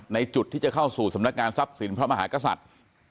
จุดที่จะเข้าสู่สำนักงานทรัพย์สินพระมหากษัตริย์